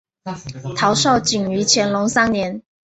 陶绍景于乾隆三年。